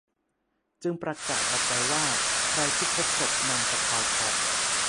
จึงประกาศออกไปว่าใครที่พบศพนางตะเภาทอง